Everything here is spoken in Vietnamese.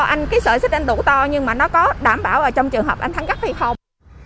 anh cái sợi xích anh đủ to nhưng mà nó có đảm bảo ở trong trường hợp anh thắng gấp hay không